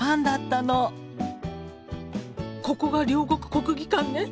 ここが両国国技館ね。